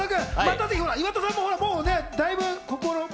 岩田さんも、だいぶ心を。